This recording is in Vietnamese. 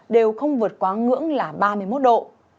đều không vượt quá ngưỡng là ba mươi một độ